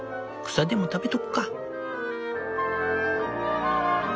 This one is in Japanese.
草でも食べとくか。